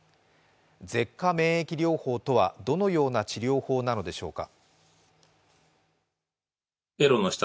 舌下免疫療法とはどのような治療法なのでしょうか。